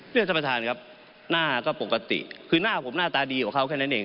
ท่านประธานครับหน้าก็ปกติคือหน้าผมหน้าตาดีกว่าเขาแค่นั้นเอง